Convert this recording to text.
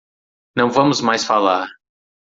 Não vamos mais falar.